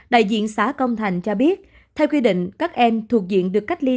đại diện xã công thành cho biết theo quy định các em thuộc diện được cách ly